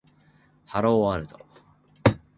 hello